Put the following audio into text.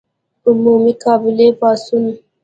عمومي قبایلي پاڅون.